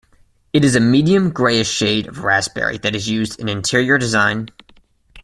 It is a medium grayish shade of raspberry that is used in interior design.